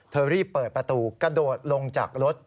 รีบเปิดประตูกระโดดลงจากรถ